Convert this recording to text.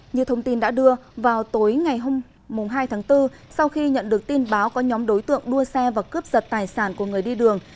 như thông tin đã đưa vào tối ngày hai tháng bốn sau khi nhận được tin báo có nhóm đối tượng đua xe và cướp giật tài sản của người đi đường